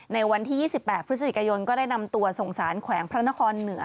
ในวันที่๒๘พฤศจิกายนก็ได้นำตัวส่งสารแขวงพระนครเหนือ